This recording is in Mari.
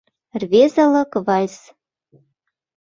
Рвезылык вальс